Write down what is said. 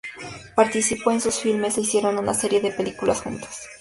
Participó en sus filmes e hicieron una serie de películas juntos.